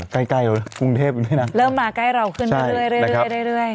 ใกล้กรุงเทพฯเริ่มมาใกล้เหล่าขึ้นไปเรื่อย